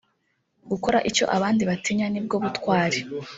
Gukora icyo abandi batinya ni bwo butwari